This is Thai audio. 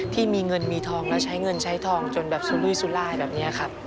ที่มีเงินมีทองแล้วใช้เงินใช้ทองจนแบบสุรุยสุรายแบบนี้ครับ